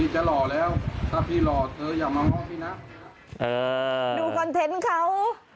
ดูคอนเท็นต์เขา